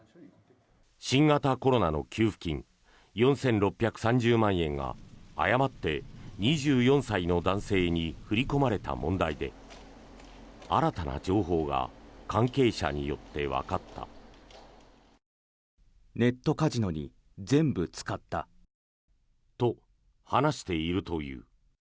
新型コロナの給付金４６３０万円が誤って２４歳の男性に振り込まれた問題で新たな情報が関係者によってわかった。と、話しているという。